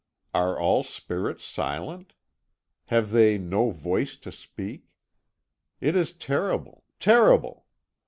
Are all spirits silent? Have they no voice to speak? It is terrible, terrible!